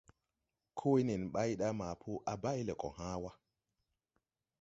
Koo wee nen ɓay ɗa maa po a bay lɛ gɔ hãã wa.